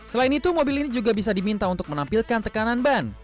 selain itu mobil ini juga bisa diminta untuk menampilkan tekanan ban